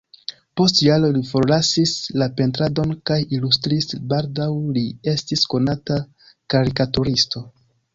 Post jaroj li forlasis la pentradon kaj ilustris, baldaŭ li estis konata karikaturisto.